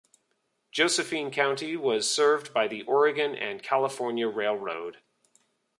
Josephine County was served by the Oregon and California Railroad.